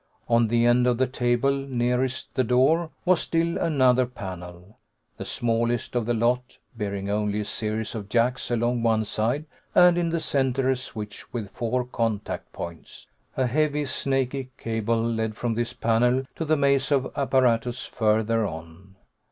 On the end of the table nearest the door was still another panel, the smallest of the lot, bearing only a series of jacks along one side, and in the center a switch with four contact points. A heavy, snaky cable led from this panel to the maze of apparatus further on.